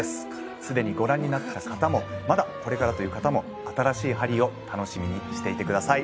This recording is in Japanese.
既にご覧になった方もまだこれからという方も新しいハリーを楽しみにしていてください